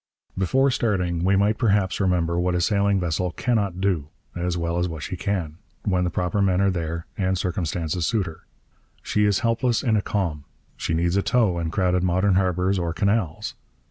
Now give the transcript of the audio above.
Before starting we might perhaps remember what a sailing vessel cannot do, as well as what she can, when the proper men are there and circumstances suit her. She is helpless in a calm. She needs a tow in crowded modern harbours or canals.